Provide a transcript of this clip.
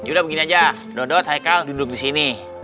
yaudah begini aja dodot haikal duduk disini